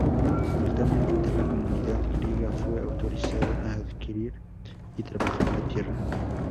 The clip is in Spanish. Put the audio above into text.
Simultáneamente, la comunidad griega fue autorizada a adquirir y trabajar la tierra.